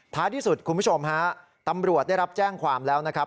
ที่สุดคุณผู้ชมฮะตำรวจได้รับแจ้งความแล้วนะครับ